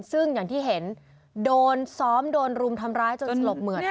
ซึ่งอย่างที่เห็นโดนซ้อมโดนรุมทำร้ายจนสลบเหมือด